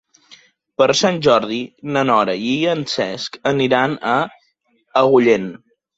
Per Sant Jordi na Nora i en Cesc aniran a Agullent.